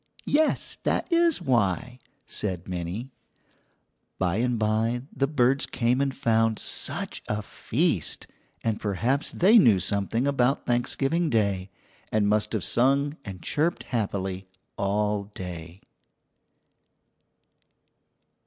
"Yes, that is why," said Minnie. By and by the birds came and found such a feast, and perhaps they knew something about Thanksgiving Day and must have sung and chirped happily all day.